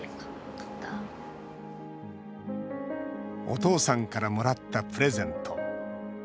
お父さんからもらったプレゼント。